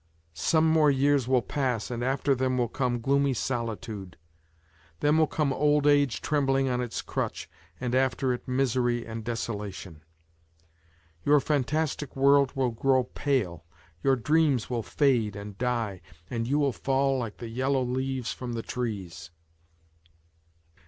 Some more years will pass, ami after them will come gloomy solitude; then will come old age trembling on its crutch, and after it misery and desolation. Your fantastie \vorM will grow pale, your dreams will fade and die and will fall like the yellow leaves from the trees.